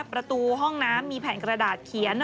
ประตูห้องน้ำมีแผ่นกระดาษเขียน